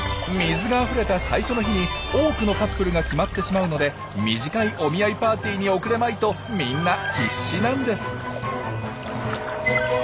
水があふれた最初の日に多くのカップルが決まってしまうので短いお見合いパーティーに遅れまいとみんな必死なんです。